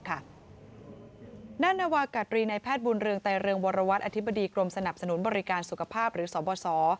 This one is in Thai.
นวากาตรีในแพทย์บุญเรืองไตเรืองวรวัตรอธิบดีกรมสนับสนุนบริการสุขภาพหรือสบส